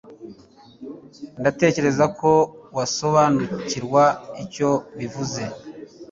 Ndatekereza ko wasobanukirwa icyo bivuze